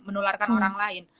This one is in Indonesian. menularkan orang lain